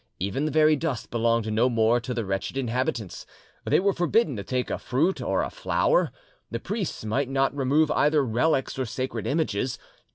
Even the very dust belonged no more to the wretched inhabitants; they were forbidden to take a fruit or a flower, the priests might not remove either relics or sacred images.